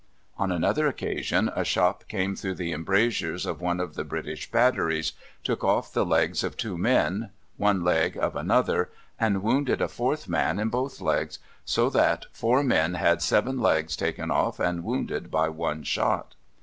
On another occasion a shot came through the embrasures of one of the British batteries, took off the legs of two men, one leg of another, and wounded a fourth man in both legs, so that "four men had seven legs taken off and wounded by one shot."